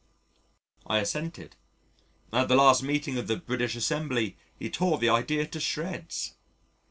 I assented. "At the last meeting of the British Ass. he tore the idea to shreds."